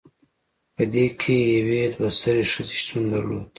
پدې کې یوې دوه سرې ښځې شتون درلود